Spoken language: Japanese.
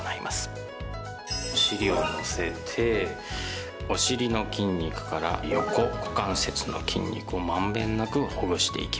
お尻を乗せてお尻の筋肉から横股関節の筋肉を満遍なくほぐしていきます。